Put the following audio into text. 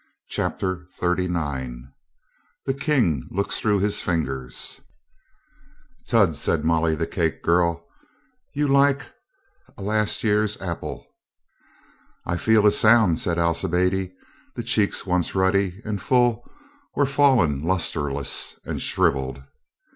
CHAPTER THIRTY NINE THE KING LOOKS THROUGH HIS FINGERS "T UD," said Molly, the cake girl, "yo" ^oo^^ like a ■— v last year's apple." "I feel as sound," said Alcibiade. The cheeks once ruddy and full were fallen lusterless and shriv eled.